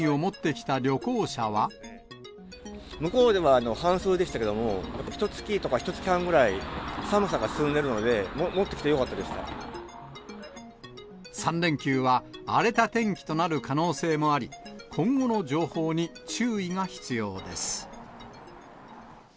向こうでは半袖でしたけれども、ひとつきとかひとつき半ぐらい、寒さが進んでるので、３連休は荒れた天気となる可能性もあり、今後の情報に注意が必要です。